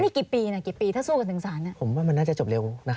นี่กี่ปีนะกี่ปีถ้าสู้กันถึงศาลนี่